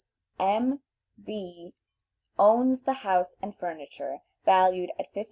M. B. owns the house and furniture, valued at $15,000.